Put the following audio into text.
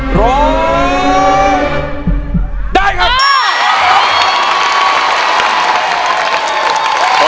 ร้อยได้ค่ะ